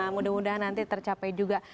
mudah mudahan nanti tercapai juga